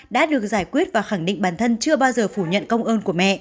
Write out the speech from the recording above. đã được giải quyết và khẳng định bản thân chưa bao giờ phủ nhận công ơn của mẹ